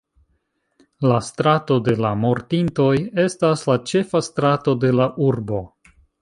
La Strato de la Mortintoj estas la ĉefa strato de la urbo.